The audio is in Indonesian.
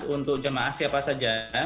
untuk jemaah siapa saja